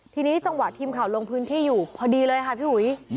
ทีนี้จังหวะทีมข่าวลงพื้นที่อยู่พอดีเลยค่ะพี่หุย